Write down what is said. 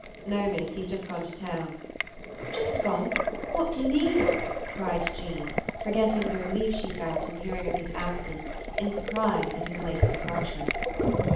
"No, miss, he's just gone to town." "Just gone! When do you mean?" cried Jean, forgetting the relief she felt in hearing of his absence in surprise at his late departure.